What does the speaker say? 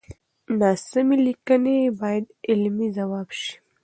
ناسمې ليکنې بايد علمي ځواب شي.